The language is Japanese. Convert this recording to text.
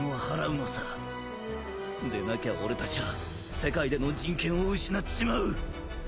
でなきゃ俺たちは世界での人権を失っちまう